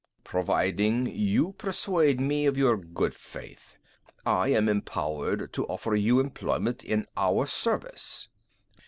"Providing you persuade me of your good faith, I am empowered to offer you employment in our service."